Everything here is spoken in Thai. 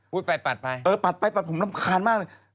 ไปปัดไปเออปัดไปปัดผมรำคาญมากเลย